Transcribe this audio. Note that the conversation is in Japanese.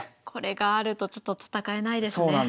これがあるとちょっと戦えないですね。